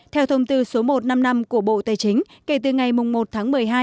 theo thông tư số một trăm năm mươi năm của bộ tài chính kể từ ngày một tháng một mươi hai